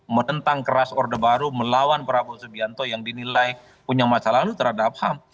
menentang keras orde baru melawan prabowo subianto yang dinilai punya masa lalu terhadap ham